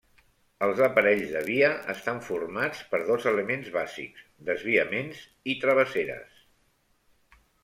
Els aparells de via estan formats per dos elements bàsics: desviaments i travesseres.